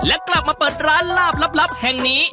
และกลับมาเปิดร้านลาบลับแห่งนี้